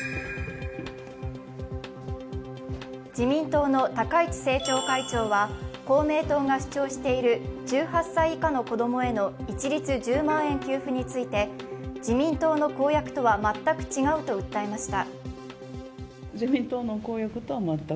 自民党の高市政調会長は公明党が主張している１８歳以下の子供への一律１０万円給付について、自民党の公約とは全く違うと訴えました。